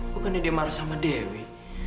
bukannya dia marah sama dewi